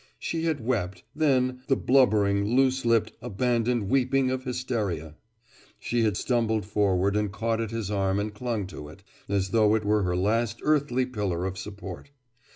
She had wept, then, the blubbering, loose lipped, abandoned weeping of hysteria. She had stumbled forward and caught at his arm and clung to it, as though it were her last earthly pillar of support.